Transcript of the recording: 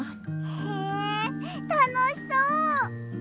へえたのしそう！